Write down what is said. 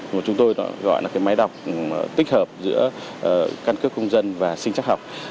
mà chúng tôi gọi là cái máy đọc tích hợp giữa căn cước công dân và sinh chắc học